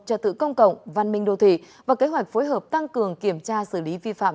trật tự công cộng văn minh đô thị và kế hoạch phối hợp tăng cường kiểm tra xử lý vi phạm